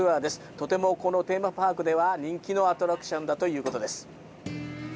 とてもこのテーマパークでは人気のアトラクションだということです。